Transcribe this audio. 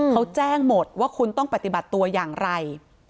เขาแจ้งหมดว่าคุณต้องปฏิบัติตัวอย่างไร